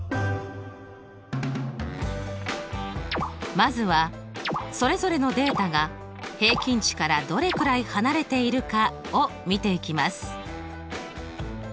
まずはそれぞれのデータが平均値からどれくらい離れているかを見ていきます。